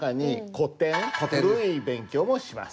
古い勉強もします。